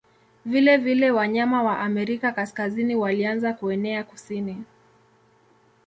Vilevile wanyama wa Amerika Kaskazini walianza kuenea kusini.